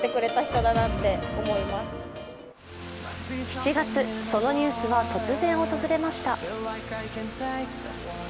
７月、そのニュースは突然訪れました。